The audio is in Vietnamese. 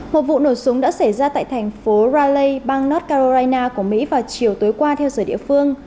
một vụ nổ súng đã xảy ra tại thành phố raley bang north carolina của mỹ vào chiều tối qua theo giờ địa phương